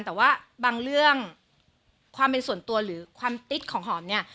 แต่ว่าบางเรื่องความเป็นส่วนตัวหรือความติ๊ดของหอมเนี่ย